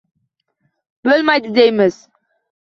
«Bo‘lmaydi», deymiz